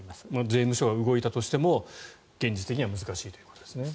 税務署が動いたとしても現実的には難しいということですね。